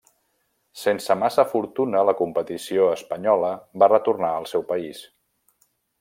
Sense massa fortuna la competició espanyola, va retornar al seu país.